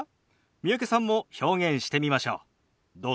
三宅さんも表現してみましょう。